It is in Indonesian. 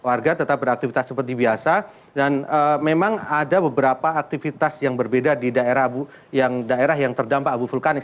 warga tetap beraktivitas seperti biasa dan memang ada beberapa aktivitas yang berbeda di daerah yang terdampak abu vulkanik